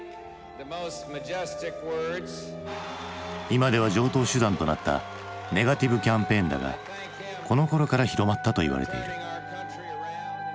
今では常とう手段となったネガティブ・キャンペーンだがこのころから広まったといわれている。